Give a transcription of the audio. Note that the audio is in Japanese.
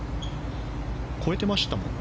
越えてましたね。